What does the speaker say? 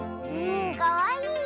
かわいい！